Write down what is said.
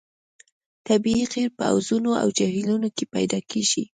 طبیعي قیر په حوضونو او جهیلونو کې پیدا کیږي